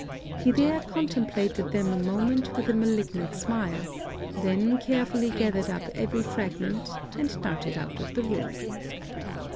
He there contemplated them a moment with a malignant smile; then carefully gathered up every fragment, and darted out of the room.